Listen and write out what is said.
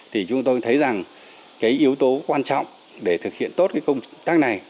thì chúng tôi thấy rằng cái yếu tố quan trọng để thực hiện tốt cái công tác này